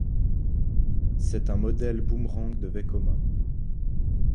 C'est un modèle boomerang de Vekoma.